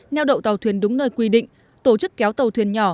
neo đậu tàu thuyền đúng nơi quy định tổ chức kéo tàu thuyền nhỏ